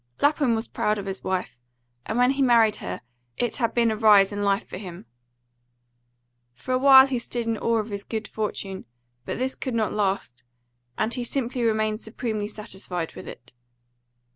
Lapham was proud of his wife, and when he married her it had been a rise in life for him. For a while he stood in awe of his good fortune, but this could not last, and he simply remained supremely satisfied with it.